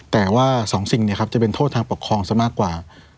แต่ว่า๒สิ่งจะเป็นโทษทางปกครองซะมากกว่า